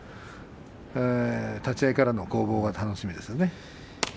立ち合いからの攻防が楽しみですね。